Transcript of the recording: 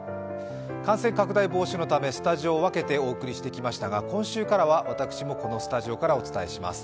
感染拡大防止のためスタジオを分けてお送りしてきましたが、今週からは私もこのスタジオからお伝えします。